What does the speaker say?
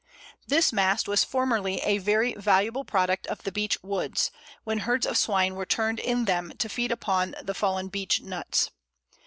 This mast was formerly a very valuable product of the Beech woods, when herds of swine were turned in them to feed upon the fallen Beech nuts.